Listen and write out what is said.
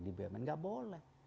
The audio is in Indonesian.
di bumn nggak boleh